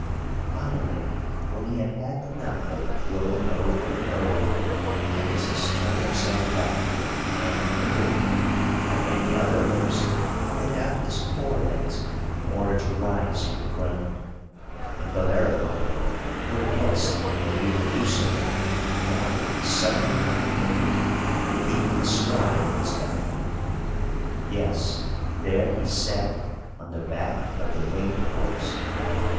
Finally, when he had had enough of rolling over and over, Pegasus turned himself about, and, indolently, like any other horse, put out his fore legs, in order to rise from the ground; and Bellerophon, who had guessed that he would do so, darted suddenly from the thicket, and leaped astride of his back. Yes, there he sat, on the back of the winged horse!